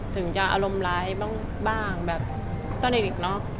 ถึงจะอารมณ์ร้ายบ้างแบบตอนเด็กเนอะ